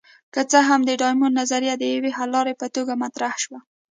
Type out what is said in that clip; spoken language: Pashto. که څه هم د ډایمونډ نظریه د یوې حللارې په توګه مطرح شوه.